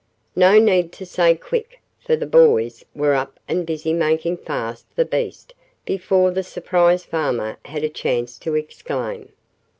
No need to say "quick," for the boys were up and busy making fast the beast before the surprised farmer had a chance to exclaim.